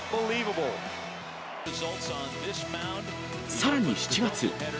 さらに７月。